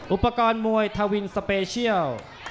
อุปกรณ์มวยทวินสเปเชียล